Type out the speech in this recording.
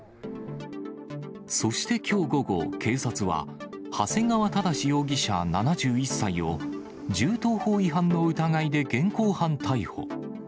そしてきょう午後、警察は、長谷川正容疑者７１歳を、銃刀法違反の疑いで現行犯逮捕。